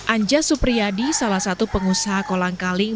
anja supriyadi salah satu pengusaha kolangkaling